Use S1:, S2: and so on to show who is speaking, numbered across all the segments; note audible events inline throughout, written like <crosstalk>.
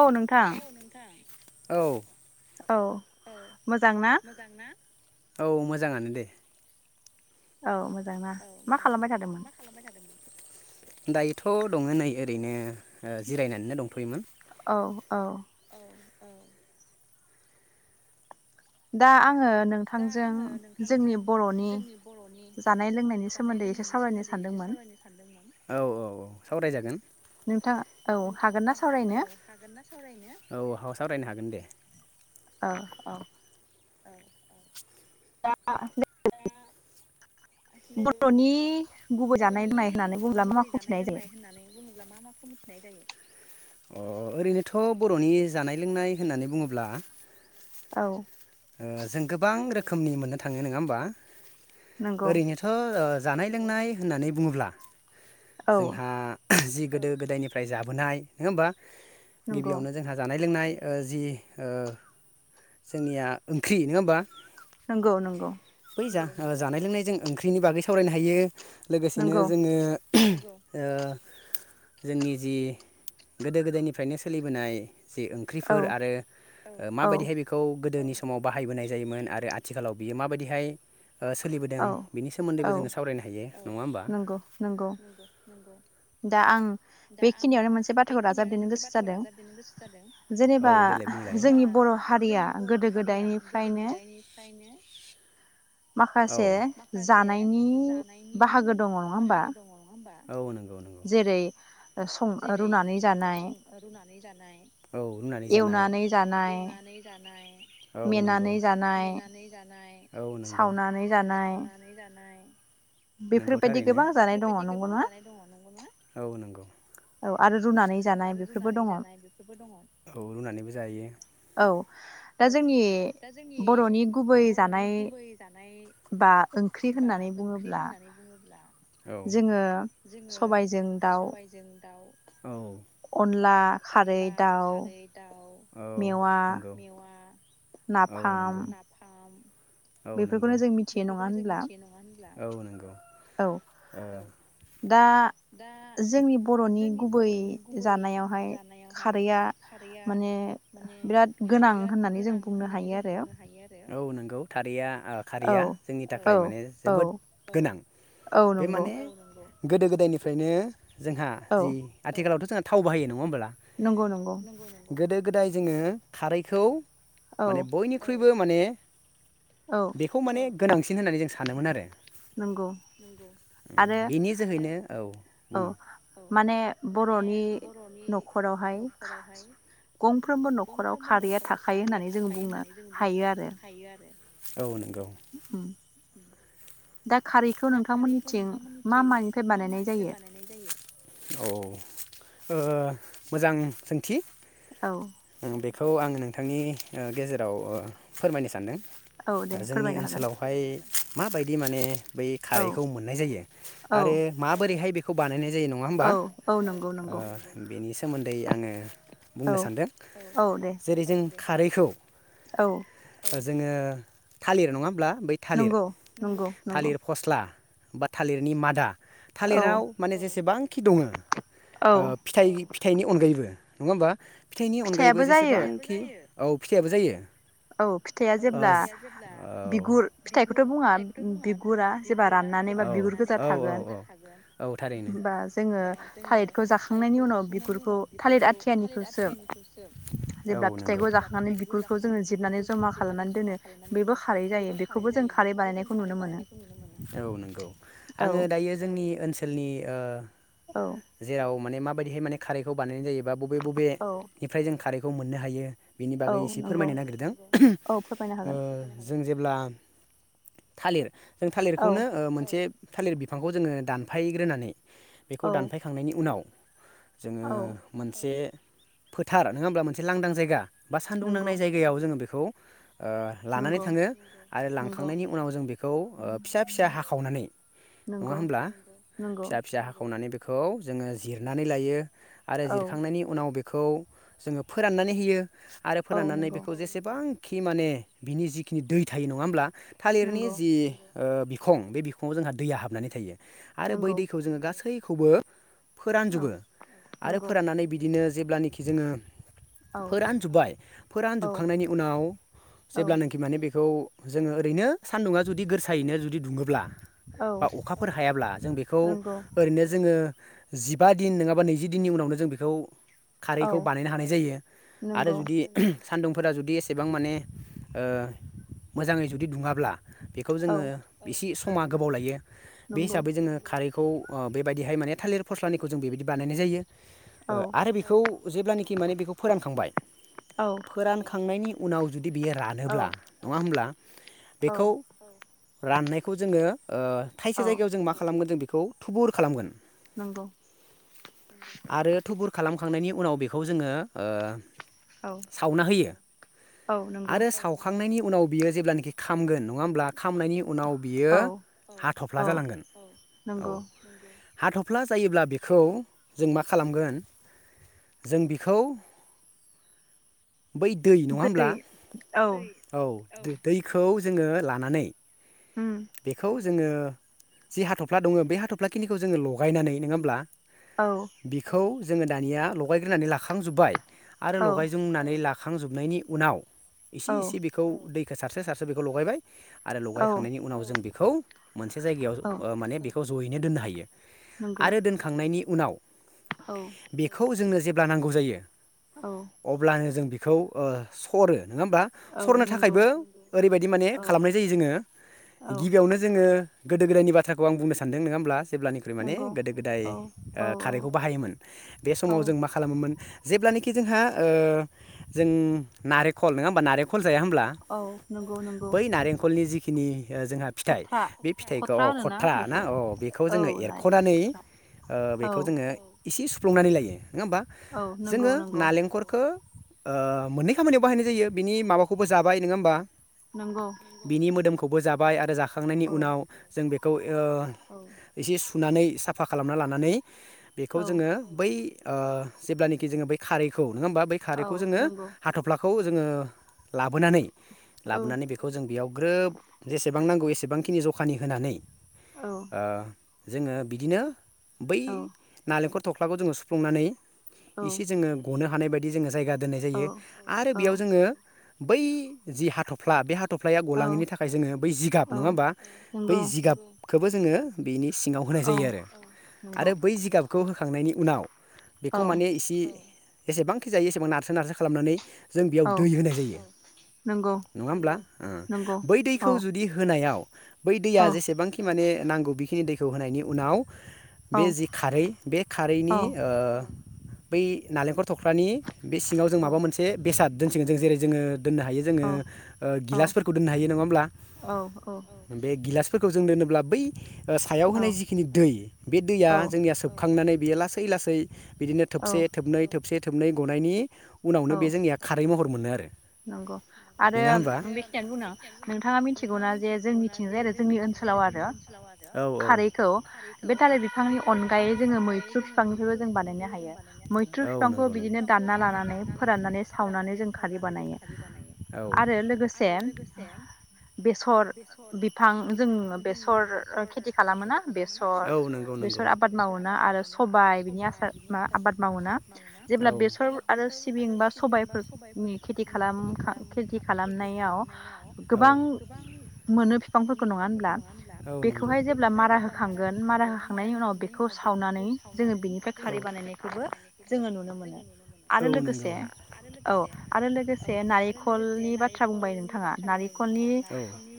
S1: औ नोंथां।
S2: औ।
S1: औ मोजां ना?
S2: औ मोजाङानो दे।
S1: औ मो
S2: औ मोजां ना मा खालामबायथादोंमोन। दायोथ दङ नै ओरैनो ओ जिरायनानैनो दंथयोमोन।
S1: औ औ। दा आ
S2: दा आङो नोंथांजों जोंनि बरनि जानाय लोंनायनि सोमोन्दै एसे सावरायनो सानदोंमोन। औ औ औ सावराय जागोन नोंथाङा औ हागोन ना सावरायनो? औ ह सावरायनो हागोन। गोन दे।
S1: अ औ
S2: औ औ।
S1: <inaudible>
S2: <unintelligible> बर'नि गुबै जानाय लोंनाय होननानै बुङोब्ला मा माखौ मिथिनाय जायो? अ ओरैनोथ बर'नि जानाय लोंनाय होननानै बुङोब्ला
S1: औ।
S2: ओ जों गोबां रोखोमनि मोननो थाङो नोङा होमबा। ओरैनोथ' जानाय लोंनाय होननानै बुङोब्ला जोंहा जि गोदो गोदायनिफ्राय जाबोनाय नङा होमबा गिबियावनो जोंहा जानाय लोंनाय जि जोंनिया ओंख्रि नङा होमबा
S1: नंगौ नंगौ।
S2: जानाय लोंनायजों ओंख्रिनि बागै सावरायनो हायो। लोगोसेनो जोङो जोंनि जि गोदो गोदायनिफ्रायनो सोलिबोनाय जे ओंख्रिफोर आरो माबायदिहाय बेखौ गोदोनि स माव बाहायबोनाय जायोमोन आरो आथिखालाव बियो माबायदिहाय सोलिबोदों बिनि सोमोन्दैबो जोङो सावरायनो हायो नङा होमबा? <inaudible> <inaudible> <inaudible> <inaudible> औ देलाय बुंलाय <unintelligible> गोदो गोदायनिफ्राय नो औ <inaudible> <inaudible> <inaudible> <inaudible> <inaudible> <inaudible> <inaudible> औ नंगौ औ नंगौ नंगौ थारैनो औ नंगौ औ आरो रुनानै जानाय बेबो दङ औ रुनानैबो जायो
S1: औ दा जोंनि बर'नि गुबै जानाय बा ओंख्रि होननानै बुङोब्ला
S2: औ जोङो सबायजों दाउ औ अनला खारै दाउ
S1: मेवा
S2: औ नंगौ औ नंगौ बेफोरखौनो जों मिथिनाय नङा होनब्ला औ नंगौ ओ दा जोंनि बर'नि गुबै जानायावहाय खारैआ माने बिराद गोनां होननानै जों बुंनो हायो आरो औ नोंगौ खारैया ओ खारैया जोंनि थाखाय माने जोबोद गो नां
S1: औ नंगौ।
S2: गोदो गोदायनिफ्रायनो जोंहा जि आथिखालावथ जों थाव बाहायो नङा होनोमब्ला गोदो गोदाय जोङो खारैखौ माने बयनिख्रुय बो माने बेखौ माने गोनांसिन होननानै जों सानोमोन आरो नंगौ बेनि जोहैनो औ बुं औ माने बरनि नखरावहाय गंफ्रोमबो नखराव रैया थाखायो होननानै जों बुंनो हायो आरो। औ नों गौ दा खारैखौ नोंथांमोननिथिं मा मानिफ्राय बानायनाय जायो औ औ। ओ मोजां सोंथि।
S1: औ।
S2: खौ आं नोंथांनि ओ गेजेराव ओ फोरमायनो सानदों। जोंनि ओनसोलावहाय माबायदि माने बै खारैखौ मोननाय जायो आरो माबोरैहाय बे खौ बानाय जायो नङा होमबा औ नंगौ ओ बेनि सोमोन्दै आङो बुंनो सानदों जेरै- जों खारैखौ जोङो थालिर नङा होमब्ला! बै थालिर थालिर फस्ला बा थालिरनि मादा थालिराव माने जेसेबांखि दङो ओ फिथाइ फिथाइनि अनगायैबो नङा होमबा! फिथाइनि अनगायैबो जेसेबांखि औ फिथाइयाबो जायो। ओ औ औ औ औ औ थारैनो औ नंगौ।
S1: खांनानै बिगुरखौ जोङो
S2: औ नंगौ आङो दायो जोंनि ओनसोलनि ओ
S1: औ
S2: माने मा बायदिहाय माने खारखौ बानायनाय जायो! बा बबे बबेनिफ्राय जों खारैखौ मोननो हायो। बिनि बागै एसे फोरमायनो नागिरदों। ओ जों जेब्ला थालिर जों थालिरखौनो मोनसे थालिर बिफांखौ जोङो दानफायग्रोनानै बेखौ दानफायखांनायनि उनाव जोङो मोनसे फोथार ङा होमब्ला मोनसे लांदां जायगा बा सान्दुं नांनाय जायगायाव जोङो बे खौ ओ लानानै थाङो आरो लांखांनायनि उनाव जों बेखौ खौ फिसा फिसा हाखावनानै। नङा होमब्ला! फिसा फिसा हाखावनानै बे खौ जोङो जिरनानै लायोह आरो जिरखांनायनि उनाव बे खौ जोङो फोराननानै होयो। आरो फोराननानै बेखौ जेसेबां खि माने बिनि जिखिनि दै थायो नङा होमब्ला थालिरनि जि बिखं बे बिखङाव जोंहा दैया हाबनानै थायो आरो बै दैखौ जोङो गासै खौबो फोरानजोबो आरो फोराननानै बिदिनो जेब्लानाखि जोङो फोरानजोबबाय फोरानजोबखांनायनि उनाव जेब्लानाखि माने बेखौ जोङो ओरैनो सान्दुङा जुदि गोरसायैनो जुदि दुङोब्ला बा अखाफोर हायाब्ला जों बेखौ ओरैनो जोङो जिबा दिन नङाबा नैजि दिननि उनावनो जों बेखौ खारैखौ बानायनो हानाय जायो आरो जुदि सान्दुंफोरा जुदि एसेबां माने मोजाङै जुदि दुङाब्ला बेखौ जोङो एसे समा गोबाव लायो बे हिसाबै जोङो खारैखौ अ बेबायदिहाय माने थालिर फस्लानिखौ जों बेबायदि बानायनाय जायो आरो बेखौ जेब्लानाखि माने बेखौ फोरानखांबाय फोरानखांनायनि उनाव ज जदि बियो रानोब्ला नङा होमब्ला बेखौ राननायखौ जोङो ओ थायसे जायगायाव जों मा खालामगोन जों बे खौ थुबुर खालामगोन। आरो थुबुर खालामखांनायनि उनाव बेखौ जोङो ओ सावना होयो आरो सावखांनायनि उनाव बियो जेब्लानोखि खामगोन नङा होमब्ला खामनायनि उनाव बियो हाथफ्ला जालांगोन औ हाथफ्ला जायोब्ला बेखौ जों मा खालामगोन जों बेखौ बै दै नङा होमब्ला औ दैखौ जोंङो लानानै बेखौ जोंङो जि हाथ'फ्ला दंङ बे हाथ'फ्लाखिनिखौ जोंङो लगायनानै नोंङा होमब्ला बिखौ जोंङो दानिया लगायग्रोनानै लाखांजोबबाय आरो लगाय जोंनानै लाख खांजोबनायनि उनाव इसे इसे बेखौ दै सारसो सारसो बेखौ लगायबाय आरो लगायखांनायनि उनाव बेखौ मोनसे जायगायाव ओ माने बेखौ ज'यैनो दोननो हायो आरो दोनखांनायनि उनाव बेखौ जोंनो जेब्ला नांगौ जायो अब्लानो जों बे खौ सरो नोंङा होमबा सरनो थाखायबो ओरैबायदि माने खालामनाय जायो जोंङो गिबियावनो जोंङो गोदो गोदायनि बाथ्राखौ आं बुंनो सानदों नोंङा होमब्ला जेब्लानिख्रुइ माने गोदो गोदाय ओ खारैखौ बाहायोमोन बे समाव जों मा खालामोमोन जेब्लानिखि जोंहा ओ जों नारेंखल नोंङा होमबा नारेंखल जाया होनब्ला बै नारेंखलनि जि खिनि ओ जोंहा फिथाइ बे फिथाइखौ औ खथ्रा ना औ बेखौ जोङो एरख'नानै ओ बेखौ जोङो एसे सु्फलंनानै लायो नोंङा होमबा जोंङो नालेंखरखौ ओ मोननै खामानियाव बाहायनाय जायो बिनि माबाखौबो जाबाय नोंङा होमबा बिनि मोदोमखौ खौबो जाब बाय आरो जाख खांनायनि उनाव जों बे ओ एसे फुनानै साफा खालामना लानानै बेखौ जोङो बै ओ जेब्लानाखि जोङो बै खारैखौ <unintelligible> होमबा बै खारैखौ जोङो हाथ'फ्लाखौ जोङो लाबोनानै लाबोनानै बेखौ जों बेयाव ग्रोब एबां नांगौ एसेबांखिनि जखानि होनानै ओ जोङो बिदिनो बै नालेंखर थख्लाखौ जोङो सुफ्लुंनानै इसे जोङो गनो हानाय बाय दि जोङो जायगा दोननाय जायो आरो बेयाव जोङो बै जि हाथफ्ला बे हा थफ्लाया गलाङैनि था खाय जोङो बै जिगाब नङा होमबा बै जिगाब खोबो जोङो बेनि सिङाव होनाय जायो आरो आरो बै जिगाबखौ होखांनायनि उनाव बेखौ माने इसे एसेबांखि जायो एसेबां नारसो नारसो खालामनानै जों बेयाव दै होनाय जायो नङा होमब्ला ओ बै दैखौ जुदि होनायाव बै दैया जेसेबांखि माने नांगौ बेखिनि दै खौ होनायनि उनाव बे जि खारै बे खारैनि ओ बै नालेंखर थख्रानि बे सिङाव जों माबा मोनसे बेसाद दोनसिगोन जेरै जोङो दोननो हायो जोङो ओ गिलासफोरखौ दोननो हायो। ब्ला बे गिलासफोरखौ जों दोनोब्ला बै सायाव होनाय जिखिनि दै बे दैया जोंनिया सोबखांनानै बेयो लासै लासै बिदिनो थोबसे थोबनै थोबसे थोबनै गनायनि उनावनो बे जोंनिया खारै महर मोनो आरो
S1: नंगौ आरो बेखिनियानो बुंनो आं नोंथाङा मिथिगौना जे जोंनिथिंजाय आरो जोंनि ओनसोलाव आरो खारैखौ बे थालिर बिफांनि अनगायै जोङो मैथ्रु फिफांनिफ्रायबो जों बानायनो हायो मैथ्रु फिफांखौ बिदिनो दानना लानानै फोराननानै सावनानै जों खारै बानायो आरो लोगोसे
S2: बेसर बिफां जों बेसर खेथि खालामोना औ नंगौ नंगौ बेसर आबाद मावोना आरो सबायनि आबाद मावोना औ जेब्ला बेसर आरो सिबिं बा सबायफोर
S1: खालाम खेथि खालामनायाव
S2: औ गोबां मोनो बिफांफोरखौ नङा होनब्ला औ नंगौ बेखौहाय जेब्ला मारा होखांगोन मारा होखांनायनि उनाव बेखौ सावनानै जों बेनिफ्राय खारै बानायनायखौबो जोङो नुनो मोनो औ नंगौ आरो लोगोसे
S1: लोगोसे नारेंखलनि बाथ्रा बुंबाय नोंथाङा
S2: बुंबाय नोंथाङा ननि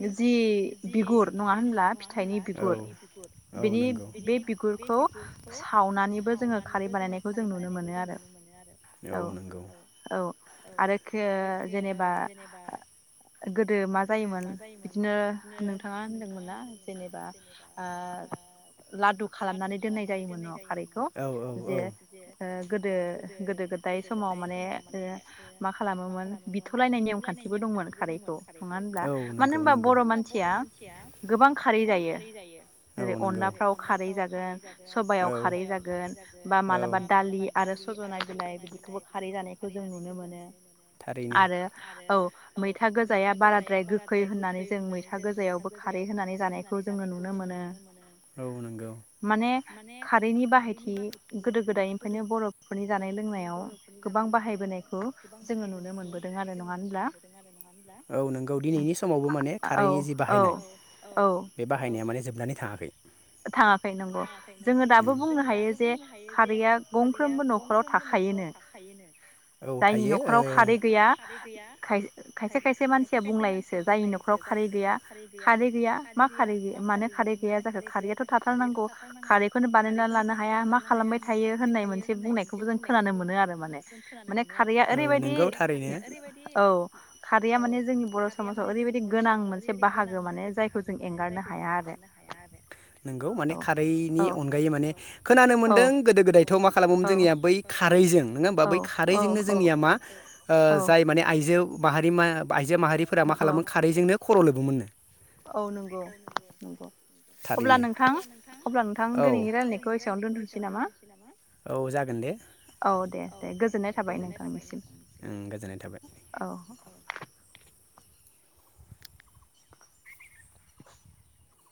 S2: जि बिगुर नङा होनब्ला बिुर औ बि बे बिगुरखौ सावनानैबो जोङो खारै बानायनायखौ जों नुनो मोनो आरो औ नंगौ औ
S1: आरो गो जेनेबा गो गोदो मा जायोमोन बिदिनो नोंथाङा होनदोंमोन ना जेनेबा ओ लादु खालामनानै दोननाय जायोमोन न खारैखौ जे गोदो गोदो गोदाय समाव माने मा खालामोमोन बिथ'लायनायनि नेमखान्थिबो दंमोन खारैखौ
S2: औ नंगौ नंगौ मानोबा बर' मानसिया गोबां खारै जायो औ नंगौ अनलाफ्राव खारै जायो सबाय खारै जागोन औ बा मालाबा दालि आरो सज'नाय बिलाइ खारै जानायखौ जों नु
S1: आरो औ मैथा गो
S2: मैथा गोजाया बाराद्राय गोखै होननानै जों मैथा गोजायावबो खारै होनानै जानायखौ जोङो नुनो मोनो औ नंगौ माने खारैनि बाहायथि गोदो गोदायनिफ्रायनो बर'फोरनि जानाय लोंनायाव गोबां
S1: जोङो नुनो मोनबोदों आरो नङा होनब्ला
S2: औ नोंगौ दिनैनि समावबो माने खारैनि जि बाहायनाय बे बाहायनाया माने जोबो बनानै थाङाखै।
S1: थाङाखै नंगौ जोङो दाबो बुंनो हायो जे खारैया गंफ्रोमबो न'खराव थाखायोनो जायनि न'खराव खारै गैया खाय खायसे खायसे मानसिया बुंलायोसो जायनि न'खराव खारै गैया खारै गैया मा खारै मानो खारै गैया जाखो? खारैयाथ' थाथारनांगौ खारैखौनो बानायना लानो हाया मा खालामबाय थायो होननाय मोनसे बुंनायखौबो जों खोनानो मोनो आरो माने माने खारैया ओरैबायदि औ खा
S2: औ खारैया माने जोंनि बर' समाजाव ओरैबायदि गोनां मोनसे बाहागो माने जायखौ जों एंगारनो हाया आरो नोंगौ माने खारैनि अनगायै माने खोनानो मोन्दों गोदो गोदाय थ' मा खालामोमोन जोंनिया बै खारैजों नोङा होमबा बै खारैजोंनो जोंनिया मा जाय माने आइजो बाहाय नै मा आइजो माहारिफोरा मा खालामो खारैजोंनो खर' लोबोमोननो थारैनो औ औ जागोन दे उम गोजोनाय थाबाय